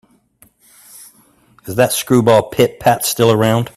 Is that screwball Pit-Pat still around?